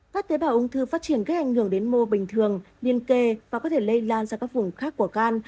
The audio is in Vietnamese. các tế bảo ung thư phát triển gây ảnh hưởng đến mô bình thường niên kề và có thể lây lan ra các vùng khác của gan